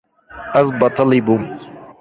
Ez betilî bûm.